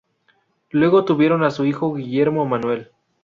Luego tuvieron a su hijo Guillermo Manuel.